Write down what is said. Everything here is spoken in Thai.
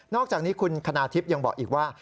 อกจากนี้คุณคณาทิพย์ยังบอกอีกว่า